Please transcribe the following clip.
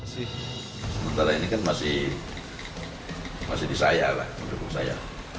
sementara ini kan masih disayang lah mendukung saya